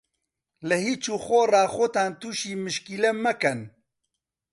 لە هیچ و خۆڕا خۆتان تووشی مشکیلە مەکەن.